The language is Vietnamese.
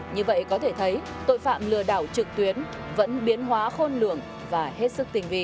như vậy có thể thấy tội phạm lừa đảo trực tuyến vẫn biến hóa khôn lường và hết sức tình vị